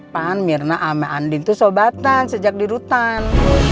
pan mirna sama andin itu sobatan sejak di rutan